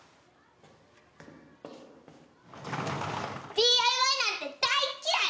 ＤＩＹなんて大っ嫌い！